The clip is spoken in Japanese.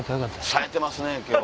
さえてますね今日。